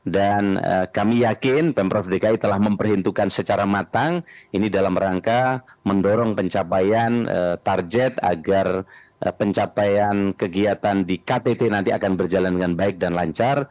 dan kami yakin pemprov dki telah memperhentukan secara matang ini dalam rangka mendorong pencapaian target agar pencapaian kegiatan di ktt nanti akan berjalan dengan baik dan lancar